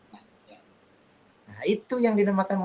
nah itu yang dinamakan